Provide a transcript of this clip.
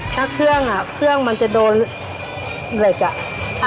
ถ้าเครื่องอ่ะเครื่องเครื่องมันจะโดนเหล็กอ่ะ